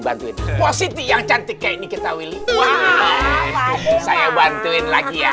bantuin posisi yang cantik kayak ini kita willy saya bantuin lagi ya